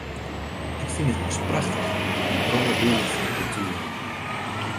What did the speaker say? Ik fyn it eins prachtich, dy brolleboel fan kultueren.